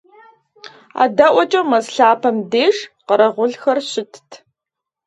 АдэӀуэкӀэ, мэз лъапэм деж, къэрэгъулхэр щытт.